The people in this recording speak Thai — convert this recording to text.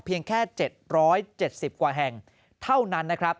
เพียงแค่๗๗๐กว่าแห่งเท่านั้น